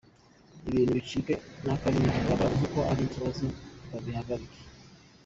Ibi bintu bicike na barimo barabikora bumve ko ari ikibazo babihagarike.